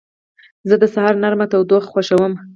زه د سهار نرمه تودوخه خوښوم.